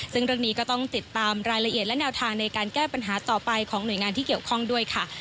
ซึ่งเรื่องนี้ก็ต้องติดตามรายละเอียดและแนวทางในการแก้ปัญหาต่อไปของหน่วยงานที่เกี่ยวข้องด้วยค่ะ